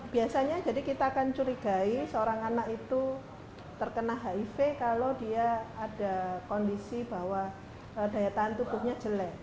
biasanya jadi kita akan curigai seorang anak itu terkena hiv kalau dia ada kondisi bahwa daya tahan tubuhnya jelek